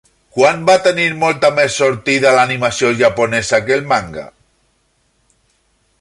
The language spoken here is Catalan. Quan va tenir molta més sortida l'animació japonesa que el manga?